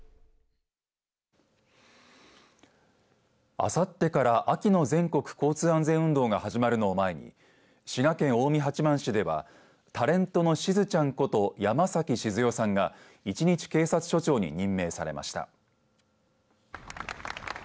あさってから秋の全国交通安全運動が始まるのを前に滋賀県近江八幡市ではタレントのしずちゃんこと山崎静代さんが一日警察署長に任命されました。